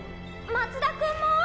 松田君も？